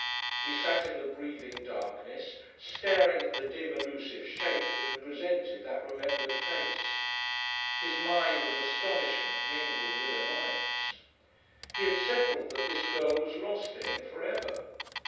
He sat in the breathing darkness, staring at the dim elusive shape that had presented that remembered face. His mind was astonishment mingled with annoyance. He had settled that this girl was lost to him for ever.